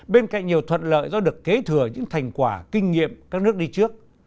bên cạnh nhiều thuận lợi do được kế thừa những thành quả kinh nghiệm các nước đi trước